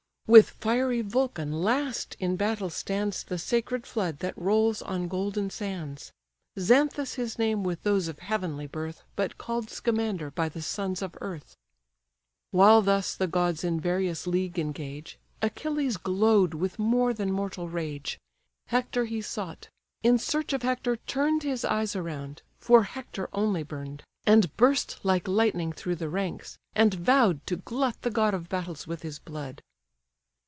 With fiery Vulcan last in battle stands The sacred flood that rolls on golden sands; Xanthus his name with those of heavenly birth, But called Scamander by the sons of earth. While thus the gods in various league engage, Achilles glow'd with more than mortal rage: Hector he sought; in search of Hector turn'd His eyes around, for Hector only burn'd; And burst like lightning through the ranks, and vow'd To glut the god of battles with his blood.